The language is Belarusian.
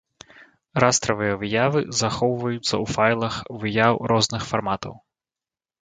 Растравыя выявы захоўваюцца ў файлах выяў розных фарматаў.